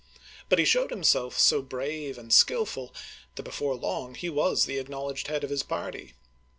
But he showed himself so brave and skillful that before long he was the acknowledged head of his party.